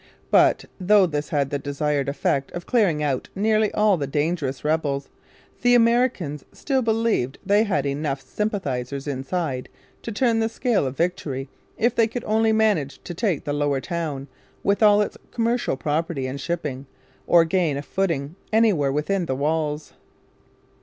But, though this had the desired effect of clearing out nearly all the dangerous rebels, the Americans still believed they had enough sympathizers inside to turn the scale of victory if they could only manage to take the Lower Town, with all its commercial property and shipping, or gain a footing anywhere within the walls.